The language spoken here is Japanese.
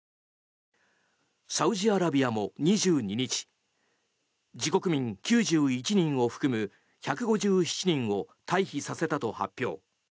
サウジアラビアも２２日自国民９１人を含む１５７人を退避させたと発表。